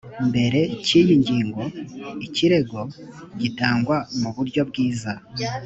mbere cy iyi ngingo ikirego gitangwa mu buryo bwiza